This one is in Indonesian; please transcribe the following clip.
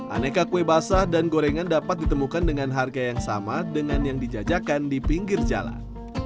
aneka kue basah dan gorengan dapat ditemukan dengan harga yang sama dengan yang dijajakan di pinggir jalan